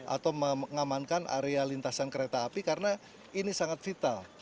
atau mengamankan area lintasan kereta api karena ini sangat vital